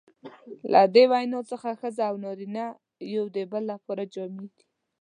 له دې وینا څخه ښځه او نارینه یو د بل لپاره جامې دي.